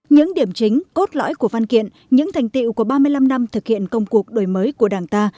những điểm chính cốt lõi của văn kiện những thành tiệu của ba mươi năm năm thực hiện công cuộc đổi mới của đảng ta